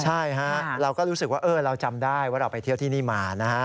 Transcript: ใช่ฮะเราก็รู้สึกว่าเราจำได้ว่าเราไปเที่ยวที่นี่มานะฮะ